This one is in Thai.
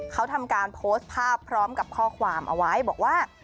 เขาทำการโพสต์ภาพพร้อมกับข้อความเอาไว้บอกว่า